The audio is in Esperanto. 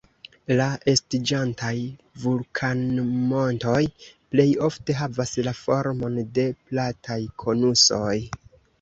La estiĝantaj vulkanmontoj plej ofte havas la formon de plataj konusoj.